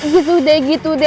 gitu deh gitu deh